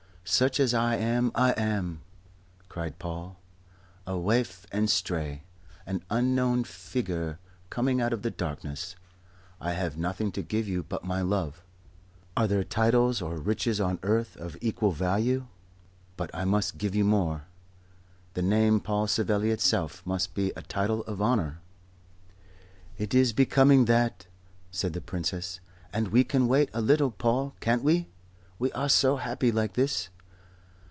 "Such as I am I am," cried Paul. "A waif and stray, an unknown figure coming out of the darkness. I have nothing to give you but my love." "Are there titles or riches on earth of equal value?" "But I must give you more. The name Paul Savelli itself must be a title of honour." "It is becoming that," said the Princess. "And we can wait a little, Paul, can't we? We are so happy like this.